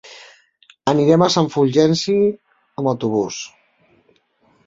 Anirem a Sant Fulgenci amb autobús.